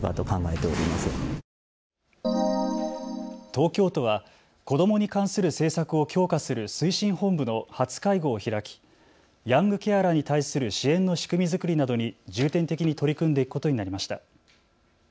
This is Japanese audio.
東京都は子どもに関する政策を強化する推進本部の初会合を開きヤングケアラーに対する支援の仕組み作りなどに重点的に取り組んでいくことになりました。